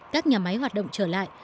các nhà máy hoạt động trở lại